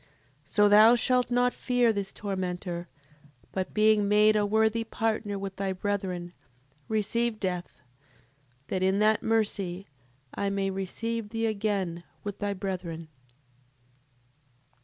So thou shalt not fear this tormentor, but being made a worthy partner with thy brethren, receive death, that in that mercy I may receive thee again with thy brethren.